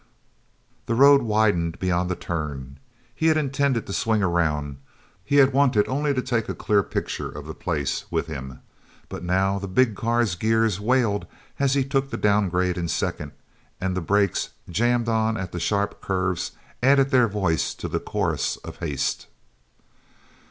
he road widened beyond the turn. He had intended to swing around; he had wanted only to take a clear picture of the place with him. But now the big car's gears wailed as he took the downgrade in second, and the brakes, jammed on at the sharp curves, added their voice to the chorus of haste.